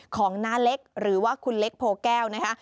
น้าเล็กหรือว่าคุณเล็กโพแก้วนะคะ